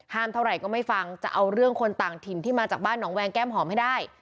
เท่าไหร่ก็ไม่ฟังจะเอาเรื่องคนต่างถิ่นที่มาจากบ้านหนองแวงแก้มหอมให้ได้